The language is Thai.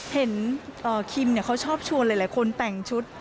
เห็นคิมเขาชอบชวนหลายคนแต่งชุด